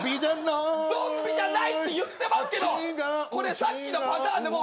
「ゾンビじゃない」って言ってますけどさっきのパターンで分かってますから。